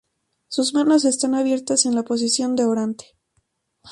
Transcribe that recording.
Sus manos están abiertas en la posición de orante.